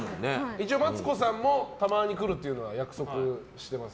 一応マツコさんもたまに来るっていう約束してます。